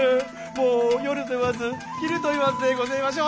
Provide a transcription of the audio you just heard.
もう夜といわず昼といわずでごぜましょ！